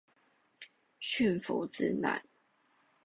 馴服之難